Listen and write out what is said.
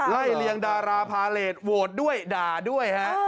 เลียงดาราพาเลสโหวตด้วยด่าด้วยฮะ